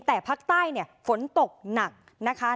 แต่ภาคใต้ฝนตกหนักนะคะ